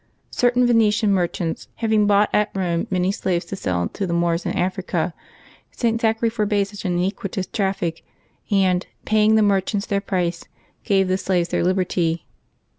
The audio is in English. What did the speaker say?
Certain Venetian merchants having bought at Rome many slaves to sell to the Moors in Africa, St. Zachary forbade such an iniquitous traflBc, and, paying the merchants their price, gave the slaves their liberty.